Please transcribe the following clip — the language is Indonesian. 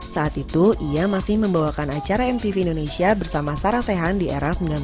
saat itu ia masih membawakan acara mtv indonesia bersama sarah sehan di era sembilan puluh an